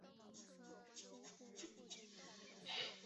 代表安提瓜的小盾即移至上方的中间位置。